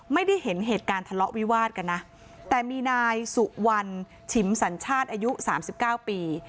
ไม่ได้เห็นเหตุการณ์ทะเลาะวิวาดกันนะแต่มีนายสุวรรณฉิมสัญชาติอายุสามสิบเก้าปี